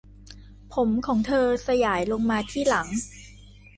ผมของเธอสยายลงมาที่หลัง